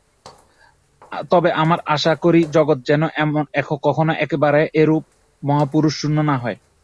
তবে আমরা আশা করি, জগৎ যেন কখনও একেবারে এরূপ মহাপুরুষশূন্য না হয়।